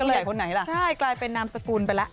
ใหญ่คนไหนล่ะใช่กลายเป็นนามสกุลไปแล้ว